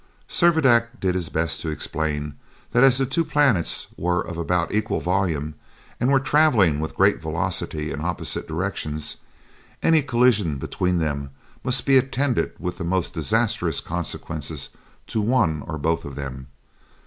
Servadac did his best to explain that as the two planets were of about equal volume, and were traveling with great velocity in opposite directions, any collision between them must be attended with the most disastrous consequences to one or both of them.